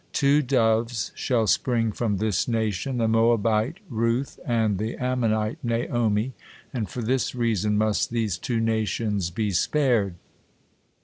Two doves shall spring from this nation, the Moabite Ruth and the Ammonite Naomi, and for this reason must these two nations be spared."